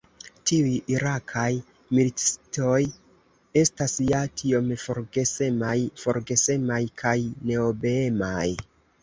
Tiuj irakaj militistoj estas ja tiom forgesemaj – forgesemaj kaj neobeemaj.